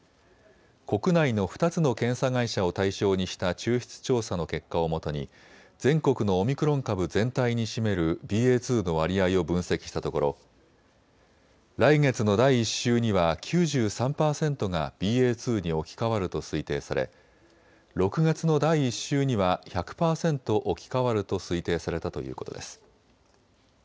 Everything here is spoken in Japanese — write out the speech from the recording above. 国内の２つの検査会社を対象にした抽出調査の結果をもとに全国のオミクロン株全体に占めるＢＡ．２の割合を分析したところ来月の第１週には９３％がＢＡ．２に置き換わると推定され６月の第１週には１００％置き換わると推定されたということです。